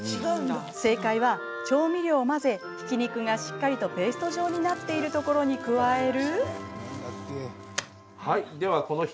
正解は調味料を混ぜひき肉がしっかりとペースト状になっているところに加える。